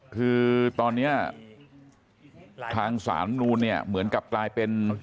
คือตอนนี้ทางศาลนูนเนี่ยเหมือนกับกลายเป็น